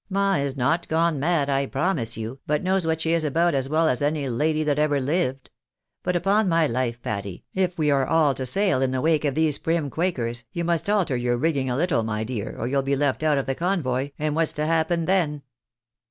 Ma is not gone mad, 1 promise you, but knows what she is about as well as any lady that ever lived. But upon my Hfe, Patty, if we are all to sail in the wake of these prim quakers, you must alter your rigging a little, my dear, or you'll be left out of the convoy, and what's to happen then